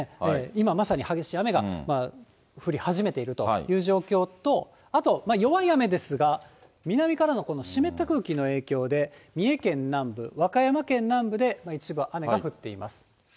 今まさに激しい雨が降り始めているという状況と、あと弱い雨ですが、南からのこの湿った空気の影響で、三重県南部、和歌山県南部で一部雨が降っています。